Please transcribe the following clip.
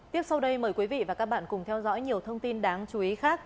tiếp sau đây mời quý vị và các bạn cùng theo dõi nhiều thông tin đáng chú ý khác